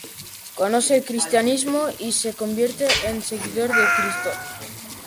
Conoce el cristianismo y se convierte en seguidor de Cristo.